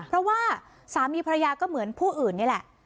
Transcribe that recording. เพราะว่าสามีภรรยาก็เหมือนผู้อื่นนี่แหละ